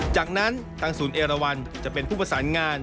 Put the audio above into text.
จากนั้นทางศูนย์เอราวันจะเป็นผู้ประสานงาน